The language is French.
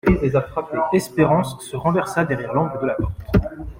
Espérance se renversa derrière l'angle de la porte.